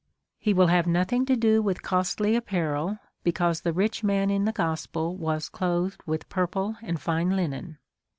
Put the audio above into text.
He will have nothing to do with costly apparel, be cause the rich man in the gospel was clothed with purple and fine linen.